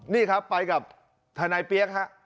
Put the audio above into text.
นี่ครับไปกับทนายเปี๊ยกฮะ